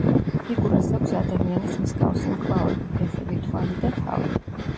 ფიგურას აქვს ადამიანის მსგავსი მკლავები, ფეხები, თვალი, და თავი.